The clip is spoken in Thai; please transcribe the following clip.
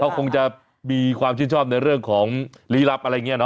เขาคงจะมีความชื่นชอบในเรื่องของลี้ลับอะไรอย่างนี้เน